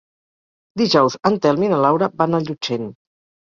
Dijous en Telm i na Laura van a Llutxent.